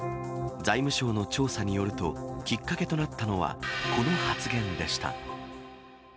財務省の調査によるときっかけとなったのは、この発言でした。